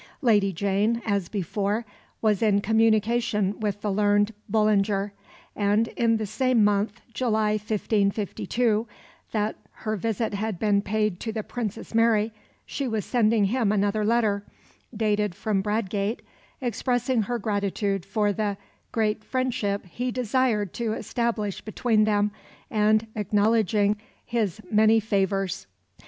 Lady Jane, as before, was in communication with the learned Bullinger, and in the same month July 1552 that her visit had been paid to the Princess Mary she was sending him another letter, dated from Bradgate, expressing her gratitude for the "great friendship he desired to establish between them, and acknowledging his many favours."